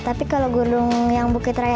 tapi kalau gunung yang bukit raya